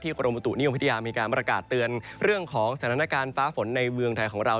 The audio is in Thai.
กรมบุตุนิยมวิทยามีการประกาศเตือนเรื่องของสถานการณ์ฟ้าฝนในเมืองไทยของเรา